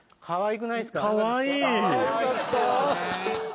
かわいくない？